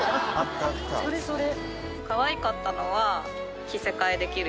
それそれ！